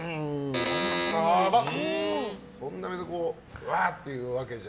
そんなにうわっていうわけじゃ？